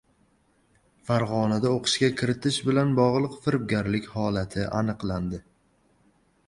Farg‘onada o‘qishga kiritish bilan bog‘liq firibgarlik holati aniqlandi